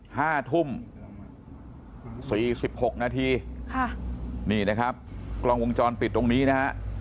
ห้าทุ่มสี่สิบหกนาทีค่ะนี่นะครับกล้องวงจรปิดตรงนี้นะฮะ